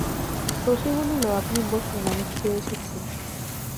শশী বলিল, আপনি বসুন, আমি খেয়ে এসেছি।